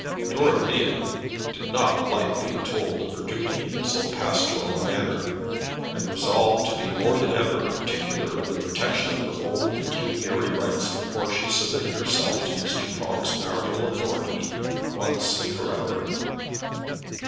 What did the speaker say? Dorothea did not like being told of her duty in so pastoral a manner, and resolved to be more than ever particular in the protection of her own pecuniary rights before she submitted herself to Mr. Prong's marital authority once and for ever.